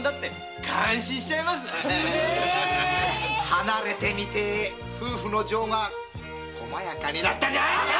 離れてみて夫婦の情がこまやかになったんじゃないですか？